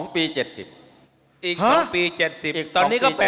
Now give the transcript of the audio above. ๒ปี๗๐